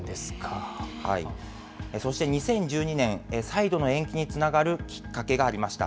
そして２０１２年、再度の延期につながるきっかけがありました。